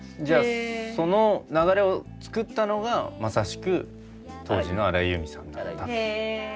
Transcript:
じゃあその流れを作ったのがまさしく当時の荒井由実さんだった。